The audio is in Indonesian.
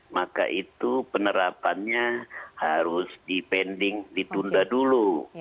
maka itu penerapannya harus dipending ditunda dulu